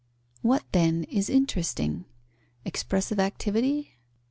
What, then, is interesting? Expressive activity?